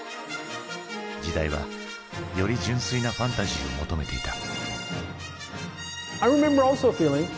時代はより純粋なファンタジーを求めていた。